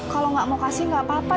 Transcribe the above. kalau nggak mau kasih gak apa apa